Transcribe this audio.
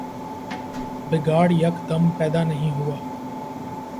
بگاڑ یکدم پیدا نہیں ہوا۔